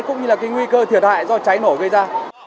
cũng như là cái nguy cơ thiệt hại do cháy nổ gây ra